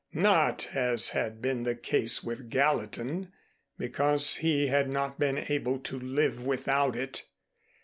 Not, as had been the case with Gallatin, because he had not been able to live without it.